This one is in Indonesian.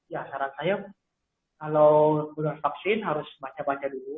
ya saran saya kalau belum vaksin harus baca baca dulu